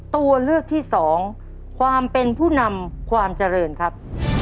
ตัวเลือกที่สองความเป็นผู้นำความเจริญครับ